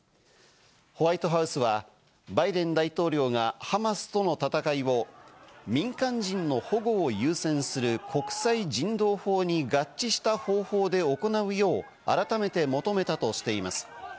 ホワイトハウスはバイデン大統領がハマスとの戦いを民間人の保護を優先する国際人道法に合致した方法で行うよう改めて求めたとしています。